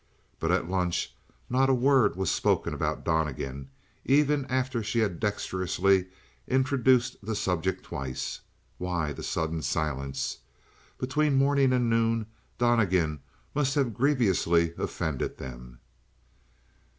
But at lunch not a word was spoken about Donnegan even after she had dexterously introduced the subject twice. Why the sudden silence? Between morning and noon Donnegan must have grievously offended them.